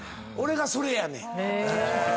俺がそれやねん。